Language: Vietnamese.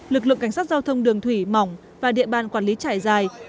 lực lượng cảnh sát giao thông đường thủy mỏng và địa bàn quản lý trải dài